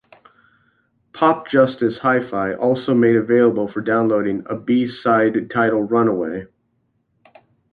Popjustice Hi-Fi also made available for downloading a B-Side titled Runaway.